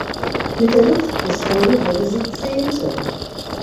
Mit der Luftpistole wurde sie Zehnte.